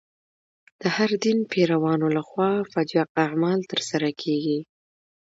د هر دین پیروانو له خوا فجیع اعمال تر سره کېږي.